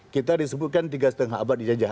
kita disebutkan tiga lima abad ijajah